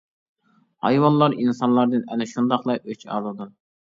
ھايۋانلار ئىنسانلاردىن ئەنە شۇنداقلا ئۆچ ئالىدۇ.